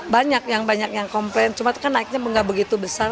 banyak yang banyak yang komplain cuma kan naiknya nggak begitu besar